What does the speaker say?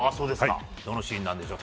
どのシーンなんでしょう。